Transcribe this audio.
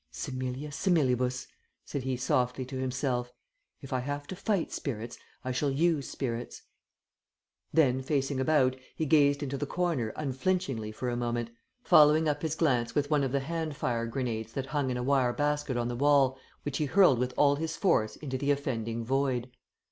"Similia similibus," said he softly to himself. "If I have to fight spirits, I shall use spirits." Then facing about, he gazed into the corner unflinchingly for a moment, following up his glance with one of the hand fire grenades that hung in a wire basket on the wall, which he hurled with all his force into the offending void.